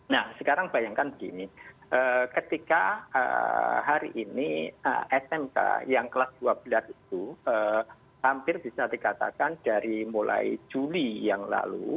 nah sekarang bayangkan begini ketika hari ini smk yang kelas dua belas itu hampir bisa dikatakan dari mulai juli yang lalu